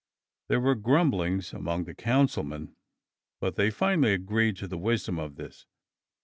There were grumblings among the councilmen, but they finally agreed to the wisdom of this.